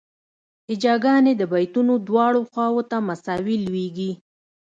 هجاګانې د بیتونو دواړو خواوو ته مساوي لویږي.